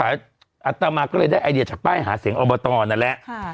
อัตมาก็เลยได้ไอเดียจากป้ายหาเสียงอบตนั่นแหละ